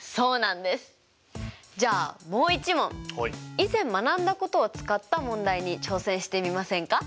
以前学んだことを使った問題に挑戦してみませんか？